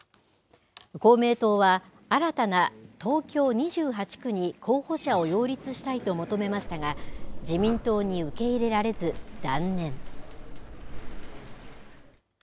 公明党は、新たな東京２８区に候補者を擁立したいと求めましたが、自民党に受け入れられず、断念。